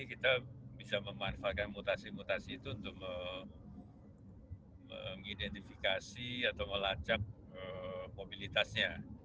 kita bisa memanfaatkan mutasi mutasi itu untuk mengidentifikasi atau melacak mobilitasnya